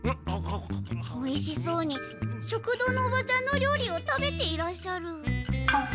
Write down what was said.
おいしそうに食堂のおばちゃんの料理を食べていらっしゃる。